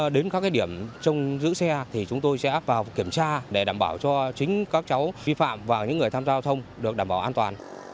đến các điểm trong giữ xe thì chúng tôi sẽ vào kiểm tra để đảm bảo cho chính các cháu vi phạm và những người tham gia giao thông được đảm bảo an toàn